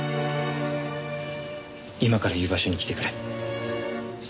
今から言う場所に来てくれ。